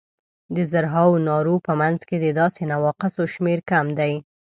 د زرهاوو نارو په منځ کې د داسې نواقصو شمېر کم دی.